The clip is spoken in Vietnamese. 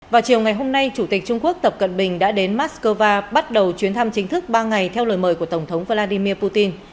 vào chiều ngày hôm nay chủ tịch trung quốc tập cận bình đã đến moscow bắt đầu chuyến thăm chính thức ba ngày theo lời mời của tổng thống vladimir putin